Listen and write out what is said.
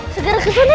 segera ke sana yuk